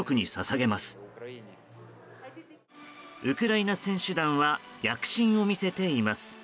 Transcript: ウクライナ選手団は躍進を見せています。